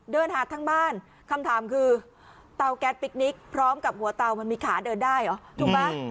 เดินหาทั้งบ้านคำถามคือเตาแก๊สปิ๊กนิกพร้อมกับหัวเตามันมีขาเดินได้เหรอถูกไหม